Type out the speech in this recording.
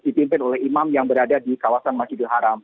dipimpin oleh imam yang berada di kawasan masjidil haram